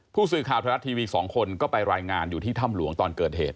ผู้สื่อข่าวไทยรัฐทีวี๒คนก็ไปรายงานอยู่ที่ถ้ำหลวงตอนเกิดเหตุ